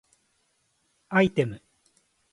アイテム